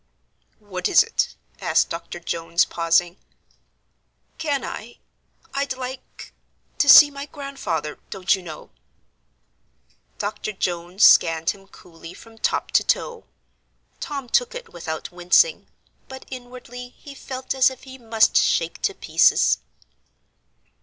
"What is it?" asked Dr. Jones, pausing. "Can I I'd like to see my Grandfather, don't you know?" Dr. Jones scanned him coolly from top to toe. Tom took it without wincing, but inwardly he felt as if he must shake to pieces.